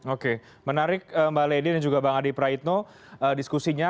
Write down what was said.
oke menarik mbak lady dan juga bang adi praitno diskusinya